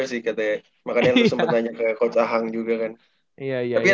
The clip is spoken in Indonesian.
terus sempet nanya ke coach ahang juga kan